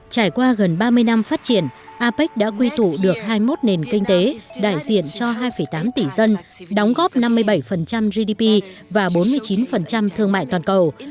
trải qua gần ba mươi năm phát triển apec đã quy tụ được hai mươi một nền kinh tế đại diện cho hai tám tỷ dân đóng góp năm mươi bảy gdp và bốn mươi chín thương mại toàn cầu